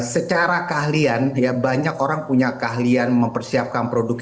secara keahlian ya banyak orang punya keahlian mempersiapkan produk